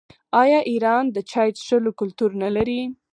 آیا ایران د چای څښلو کلتور نلري؟